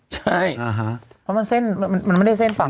ใช่เพราะมันเส้นมันไม่ได้เส้นฝั่ง